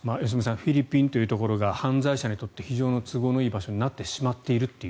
フィリピンというところが犯罪者にとって非常に都合のいい場所になってしまっているという。